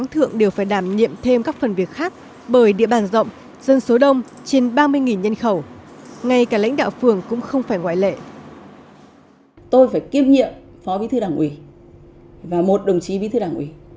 tôi phải kiêm nhiệm phó bí thư đảng ủy và một đồng chí bí thư đảng ủy